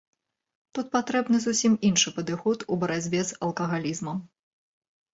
Тут патрэбны зусім іншы падыход у барацьбе з алкагалізмам.